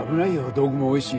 道具も多いし。